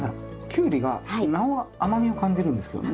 キュウリがなお甘みを感じるんですけどね。